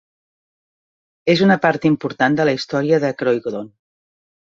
És una part important de la història de Croydon.